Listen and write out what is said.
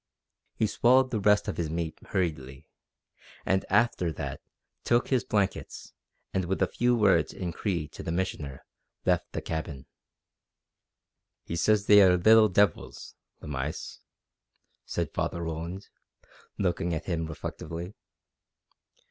He swallowed the rest of his meat hurriedly, and after that took his blankets, and with a few words in Cree to the Missioner left the cabin. "He says they are little devils the mice," said Father Roland, looking after him reflectively.